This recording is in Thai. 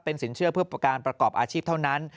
สินเชื่อเพื่อการประกอบอาชีพเท่านั้น